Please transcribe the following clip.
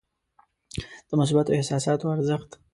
د مثبتو احساساتو ارزښت.